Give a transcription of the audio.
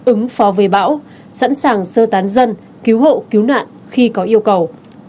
ứng phó với bão sẵn sàng sơ tán dân cứu hộ cứu nạn khi có yêu cầu